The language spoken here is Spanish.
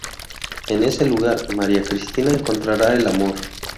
En ese lugar, María Cristina encontrará el amor.